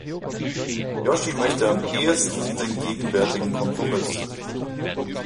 Yoshi möchte am ehesten den gegenwärtigen Kompromiss.